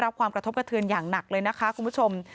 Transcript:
รับความกระทบกระเทือนอย่างหนักเลยนะคะคุณผู้ชม